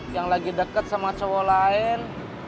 yang lagi deket sama cowo lain